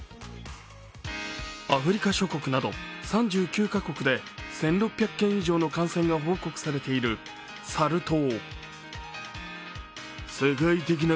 アフリカ諸国など３９か国で１６００件以上の感染が報告されているサル痘。